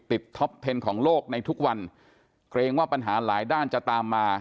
ท็อปเทนของโลกในทุกวันเกรงว่าปัญหาหลายด้านจะตามมา